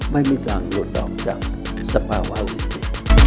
ไม่มีทางหลุดออกจากสภาวะวิทยาลัย